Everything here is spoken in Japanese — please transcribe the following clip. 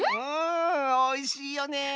うんおいしいよね。